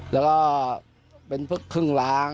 แล้วก็เป็นพวกครึ่งล้าง